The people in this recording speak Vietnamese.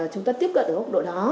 chúng ta tiếp cận được hốc độ đó